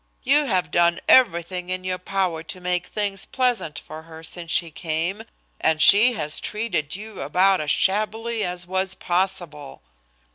You have done everything in your power to make things pleasant for her since she came, and she has treated you about as shabbily as was possible."